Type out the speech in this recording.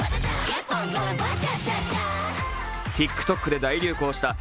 ＴｉｋＴｏｋで大流行したＫｅｐ